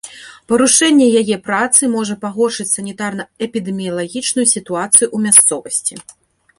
Парушэнне яе працы можа пагоршыць санітарна-эпідэміялагічную сітуацыю ў мясцовасці.